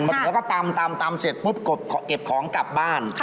ถึงแล้วก็ตำเสร็จปุ๊บเก็บของกลับบ้าน